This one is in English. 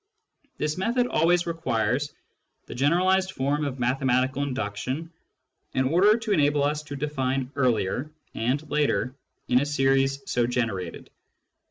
This method always requires the generalised form of mathe matical induction in order to enable us to define " earlier " and " later " in a series so generated.